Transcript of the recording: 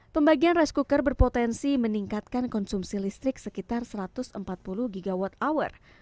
pembagian rice cooker berpotensi meningkatkan konsumsi listrik sekitar satu ratus empat puluh gigawatt hour